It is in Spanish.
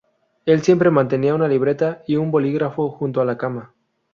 Él siempre mantenía una libreta y un bolígrafo junto a la cama.